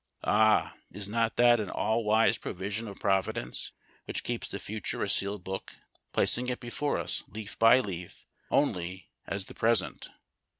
Ah! is not that an all wise provision of Providence which keeps the future a sealed book, placing it before us leaf by leaf only, as the present